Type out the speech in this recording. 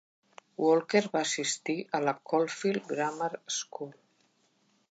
Walker va assistir a la Caulfield Grammar School.